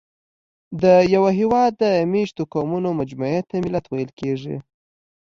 د یوه هېواد د مېشتو قومونو مجموعې ته ملت ویل کېږي.